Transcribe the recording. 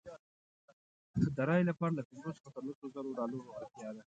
د رایې لپاره له پنځو څخه تر لسو زرو ډالرو اړتیا ده.